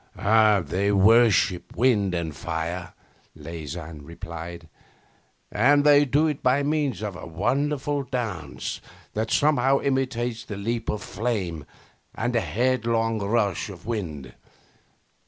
'They worship wind and fire,' Leysin replied, 'and they do it by means of a wonderful dance that somehow imitates the leap of flame and the headlong rush of wind.